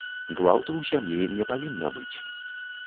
Гвалту ў сям'і не павінна быць.